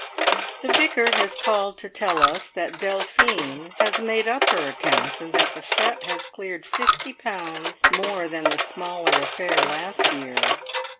The Vicar has called to tell us that Delphine has made up her accounts, and that the fete has cleared fifty pounds more than the smaller affair last year.